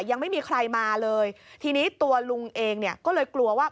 ยังไม่มีใครมาเลยทีนี้ตัวลุงเองเนี่ยก็เลยกลัวว่า